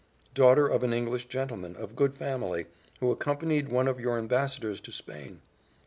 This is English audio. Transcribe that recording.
"Daughter of an English gentleman, of good family, who accompanied one of your ambassadors to Spain."